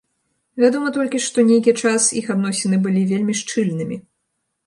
Вядома толькі, што нейкі час іх адносіны былі вельмі шчыльнымі.